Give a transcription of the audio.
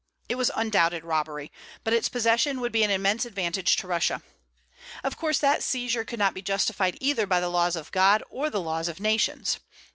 It was undoubted robbery; but its possession would be an immense advantage to Russia. Of course, that seizure could not be justified either by the laws of God or the laws of nations.